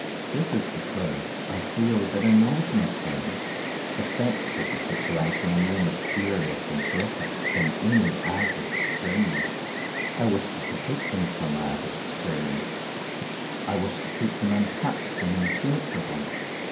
This is because I feel that in ultimate things, the facts of the situation are more mysterious and terrific than any artist's dream. I wish to protect them from artists' dreams. I wish to keep them untouched and impenetrable.